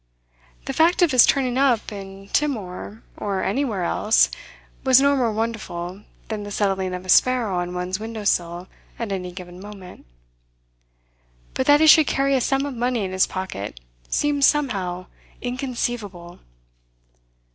The fact of his turning up in Timor or anywhere else was no more wonderful than the settling of a sparrow on one's window sill at any given moment. But that he should carry a sum of money in his pocket seemed somehow inconceivable.